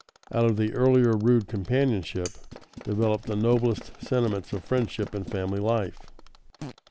Out of the earlier rude companionship develop the noblest sentiments of friendship and family life.